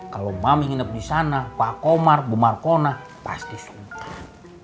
kalau mami nginep di sana pak komar bu markona pasti senang